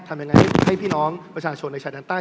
ทำยังไงให้พี่น้องประชาชนในชายแดนใต้